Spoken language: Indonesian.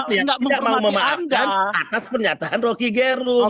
tidak mau memaafkan atas pernyataan roki gerung